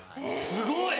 すごい！